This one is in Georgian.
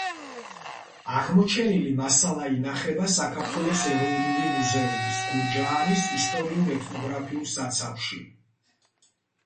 აღმოჩენილი მასალა ინახება საქართველოს ეროვნული მუზეუმის გურჯაანის ისტორიულ-ეთნოგრაფიულ საცავში.